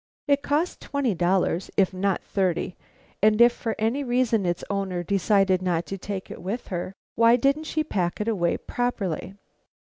It cost twenty dollars, if not thirty, and if for any reason its owner decided not to take it with her, why didn't she pack it away properly?